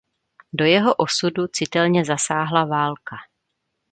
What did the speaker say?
Do jeho osudu citelně zasáhla válka.